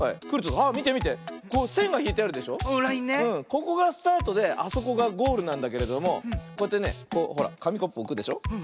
ここがスタートであそこがゴールなんだけれどもこうやってねこうほらかみコップおくでしょ。